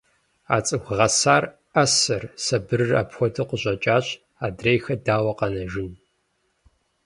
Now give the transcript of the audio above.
А цӀыху гъэсар, Ӏэсэр, сабырыр апхуэдэу къыщӀэкӀащ, адрейхэр дауэ къэнэжын?